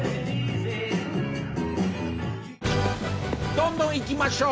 どんどんいきましょう。